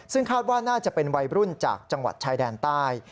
ซึ่งคาดว่าน่าจะเป็นวัยรุ่นจากจังหวัดชายแดนใต้